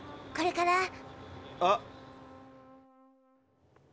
これから。